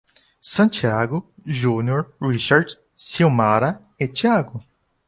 Santiago, Júnior, Richard, Silmara e Thiago